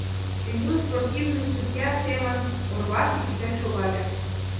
Сеню спортивный судья семын орвашке кӱзен шогале.